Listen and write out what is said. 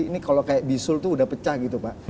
ini kalau kayak bisul itu sudah pecah gitu pak